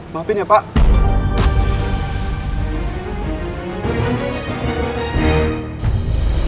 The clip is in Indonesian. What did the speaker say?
maafin ya pak